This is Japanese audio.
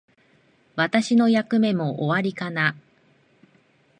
私の役目も終わりかな。